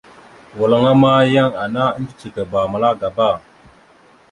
Walŋa ma, yan ana iŋgəcekaba məla agaba.